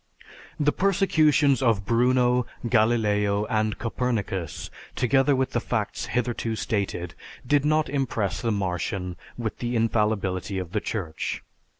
The persecutions of Bruno, Galileo, and Copernicus, together with the facts hitherto stated, did not impress the Martian with the "infallibility" of the Church.